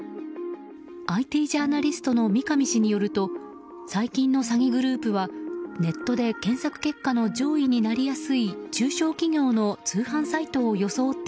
ＩＴジャーナリストの三上氏によると最近の詐欺グループはネットで検索結果の速報です。